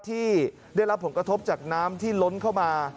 ที่ได้รับผลกระทบจากน้ำที่ล้นเข้ามา